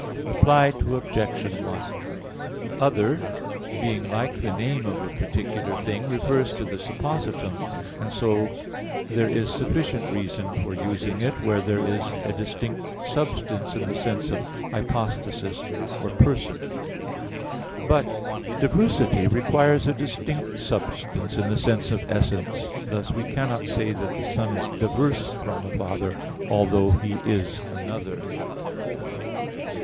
Reply Obj. 1: "Other," being like the name of a particular thing, refers to the suppositum; and so, there is sufficient reason for using it, where there is a distinct substance in the sense of hypostasis or person. But diversity requires a distinct substance in the sense of essence. Thus we cannot say that the Son is diverse from the Father, although He is another.